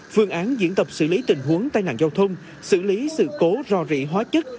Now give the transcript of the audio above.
phương án diễn tập xử lý tình huống tai nạn giao thông xử lý sự cố rò rỉ hóa chất